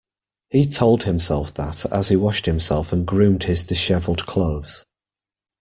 He told himself that as he washed himself and groomed his disheveled clothes.